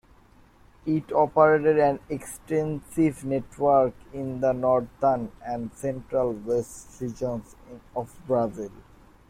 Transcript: It operated an extensive network in the Northern and Central-West regions of Brazil.